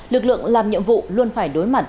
lực lượng làm nhiệm vụ luôn phải đối mặt